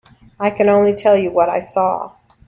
I can only tell you what I saw.